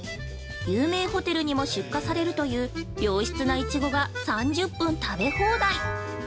有名ホテルにも出荷されるという良質ないちごが３０分食べ放題！